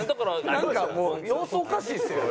なんかもう様子おかしいですよ？